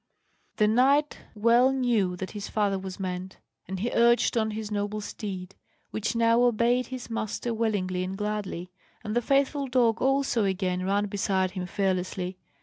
The knight well knew that his father was meant; and he urged on his noble steed, which now obeyed his master willingly and gladly, and the faithful dog also again ran beside him fearlessly.